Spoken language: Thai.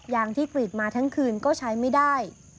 ยางที่กรีดมาทั้งคืนก็ใช้ไม่ได้